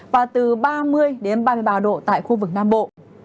và từ ba mươi ba mươi ba độ tại khu vực nam bộ